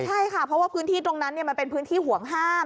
ใช่ค่ะเพราะว่าพื้นที่ตรงนั้นมันเป็นพื้นที่ห่วงห้าม